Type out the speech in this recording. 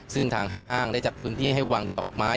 ซึ่งทางห้างได้จัดพื้นที่ให้วางต่อไม้